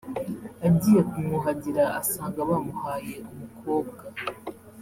agiye kumwuhagira asanga bamuhaye umukobwa